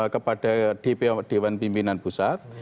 kepada dewan pimpinan pusat